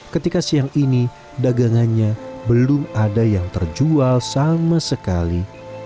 ketika siang ini dagangannya belum ada yang terjual sama sekali